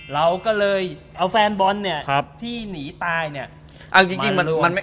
เราก็เลยเอาแฟนบอลเนี่ยที่หนีตายเนี่ยมันรวมคุยด้วยสักหน่อย